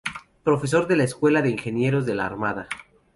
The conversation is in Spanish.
Profesor de la Escuela de Ingenieros de la Armada.